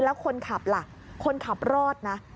แล้วคนขับล่ะคนขับรอดนะ